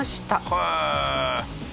へえ。